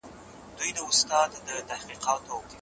ده د پښتنو د ملي شعور لارښود و